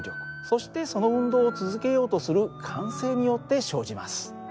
そしてその運動を続けようとする慣性によって生じます。